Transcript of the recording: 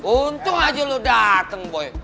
untung aja lo dateng boy